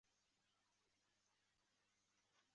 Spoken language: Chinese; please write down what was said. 明史上说郭山甫善相人。